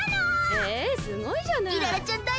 へえすごいじゃない！